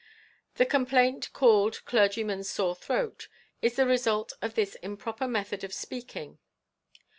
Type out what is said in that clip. The complaint called clergy man's sore throat is the result of this improper method of speak ing.